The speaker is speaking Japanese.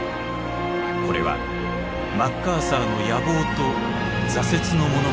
これはマッカーサーの野望と挫折の物語でもある。